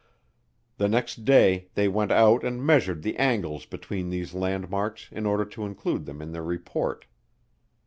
The next day they went out and measured the angles between these landmarks in order to include them in their report.